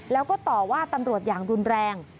แล้วก็ต่อว่าตำรวจอย่างรุนแรง